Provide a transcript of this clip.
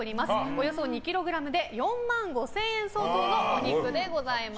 およそ２ｋｇで４万５０００円相当のお肉です。